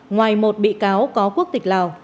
ngoài một bị cáo có quốc tịch lào